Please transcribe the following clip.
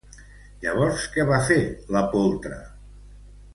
Llavors què va fer la poltra?